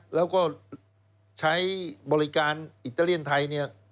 แล้วก็ใช้บริการอิตาเลียนไทยเนี่ย